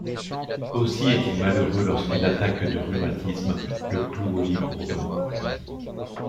Aussi est-il malheureux lorsqu'une attaque de rhumatisme le cloue au lit pour deux mois.